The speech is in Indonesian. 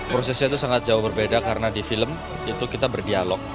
prosesnya itu sangat jauh berbeda karena di film itu kita berdialog